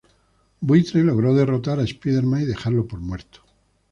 Buitre logró derrotar a Spider-Man y dejarlo por muerto.